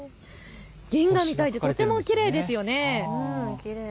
銀河みたいでとてもきれいですよね。